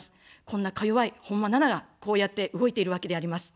こんな、かよわい本間奈々が、こうやって動いているわけであります。